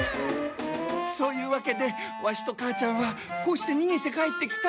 そういうわけでワシと母ちゃんはこうしてにげて帰ってきたんだ。